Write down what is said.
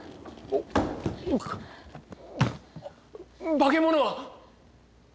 化け物は？